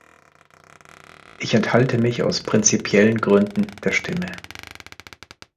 Ich enthalte mich aus prinzipiellen Gründen der Stimme.